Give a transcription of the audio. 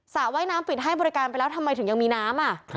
ว่ายน้ำปิดให้บริการไปแล้วทำไมถึงยังมีน้ำ